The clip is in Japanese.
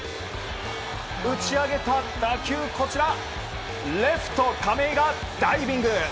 打ち上げた打球をレフト亀井がダイビング。